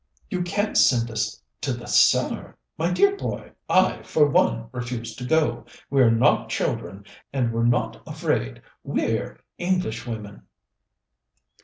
"You can't send us to the cellar? My dear boy, I, for one, refuse to go. We're not children, and we're not afraid. We're Englishwomen!"